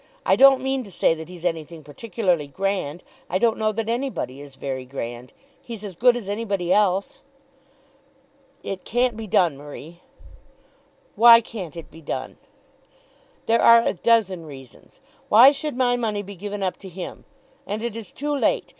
I don't mean to say that he's anything particularly grand. I don't know that anybody is very grand. He's as good as anybody else." "It can't be done, Marie." "Why can't it be done?" "There are a dozen reasons. Why should my money be given up to him? And it is too late.